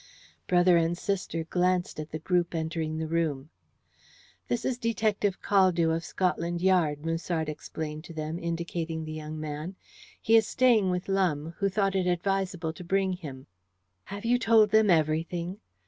Brother and sister glanced at the group entering the room. "This is Detective Caldew, of Scotland Yard," Musard explained to them, indicating the young man. "He is staying with Lumbe, who thought it advisable to bring him." "Have you told them everything?"